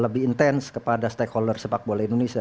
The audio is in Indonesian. lebih intens kepada stakeholder sepak bola indonesia